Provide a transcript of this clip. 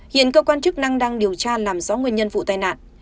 hiện cơ quan chức năng đang điều tra làm rõ nguyên nhân vụ tai nạn